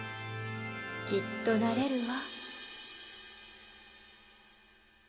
きっとなれるわ。